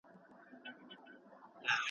ايا ته هره ورځ د کتاب لوستلو لپاره وخت لرې؟